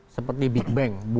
seperti big bang